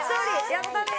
やったね！